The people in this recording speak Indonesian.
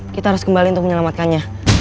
kita harus kembali untuk menyelamatkannya